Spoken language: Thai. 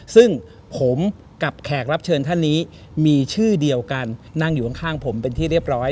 ซึ่งผมกับแขกรับเชิญท่านนี้มีชื่อเดียวกันนั่งอยู่ข้างผมเป็นที่เรียบร้อย